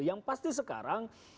yang pasti sekarang